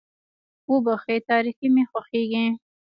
وبښئ تاريکي مې خوښېږي.